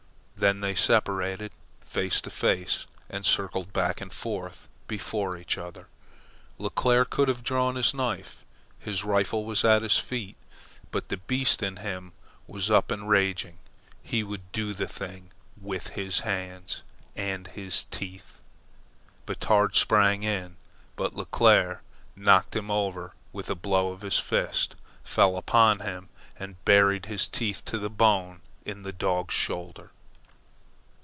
Then they separated, face to face, and circled back and forth before each other. Leclere could have drawn his knife. His rifle was at his feet. But the beast in him was up and raging. He would do the thing with his hands and his teeth. Batard sprang in, but Leclere knocked him over with a blow of the fist, fell upon him, and buried his teeth to the bone in the dog's shoulder.